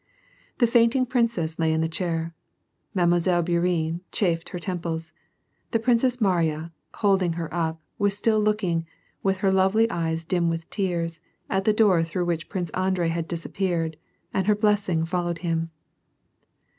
The fainting princess lay in the chair; Mile. Bourienne chafed her temples. The Princess Mariya, holding her up, was still looking, with her lovely eyes dim with tears, at the door through which Prince Andi ei had disappeared, and her blessing followed him.